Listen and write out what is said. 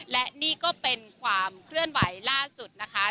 และนี่ก็เป็นความเคลื่อนไหวล่าสุดนะคะ